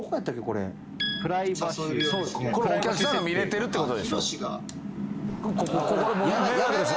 これお客さんが見れてるってことでしょ？